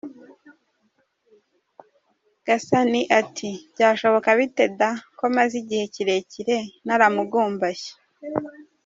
Gasani ati: “byashoboka bite se da, ko maze igihe kirekire naragumbashye ?”.